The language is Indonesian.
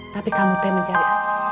tapi kamu temen cari